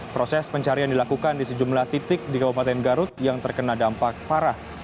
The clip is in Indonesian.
proses pencarian dilakukan di sejumlah titik di kabupaten garut yang terkena dampak parah